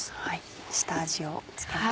下味を付けます。